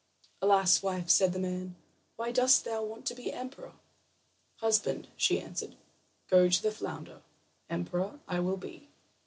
"Alas, wife," said the man, "why dost thou now want to be emperor?" "Husband," she answered, "go to the flounder. Emperor I will be."